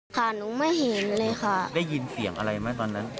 ค่ะหนูไม่เห็นเลยค่ะได้ยินเสียงอะไรไหมตอนนั้น